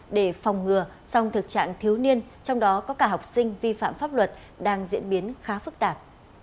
để phòng ngừa song thực trạng thiếu niên trong đó có cả học sinh vi phạm pháp luật đang diễn biến khá phức tạp